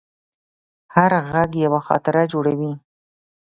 هر غږ یوه خاطره جوړوي.